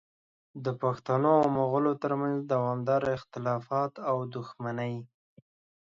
د پښتنو او مغولو ترمنځ دوامداره اختلافات او دښمنۍ